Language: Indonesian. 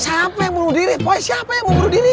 siapa yang bunuh diri boy siapa yang mau bunuh diri